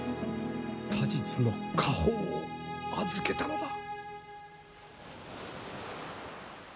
他日の果報を預けたのだ。